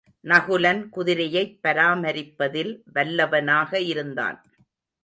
நகுலன் குதிரையைப் பராமரிப்பதில் வல்லவனாக இருந்தான்.